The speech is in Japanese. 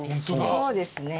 そうですね。